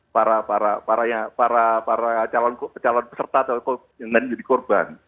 para calon peserta yang lain jadi korban